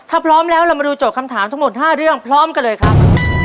ถ้าพร้อมแล้วเรามาดูโจทย์คำถามทั้งหมด๕เรื่องพร้อมกันเลยครับ